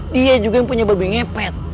dia juga yang punya babi ngepet